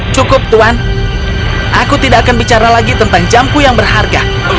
cukup tuan aku tidak akan bicara lagi tentang jampu yang berharga